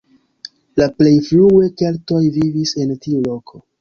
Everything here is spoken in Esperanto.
La plej frue keltoj vivis en tiu loko.